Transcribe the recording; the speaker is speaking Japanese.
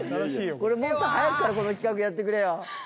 これもっと早くからこの企画やってくれよ